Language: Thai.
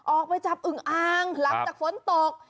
ออกไปจับอึงอ่างหลังจากฝนตก